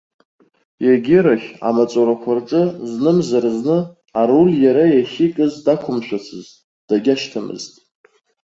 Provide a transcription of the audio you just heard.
Егьирахь, амаҵурақәа рҿы знымзар зны аруль иара иахьикыз дақәымшәацызт, дагьашьҭамызт.